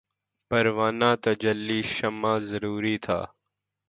پروانۂ تجلی شمع ظہور تھا